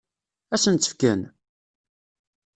Ad sen-tt-fken?